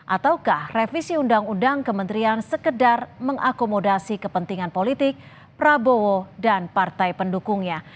ataukah revisi undang undang kementerian sekedar mengakomodasi kepentingan politik prabowo dan partai pendukungnya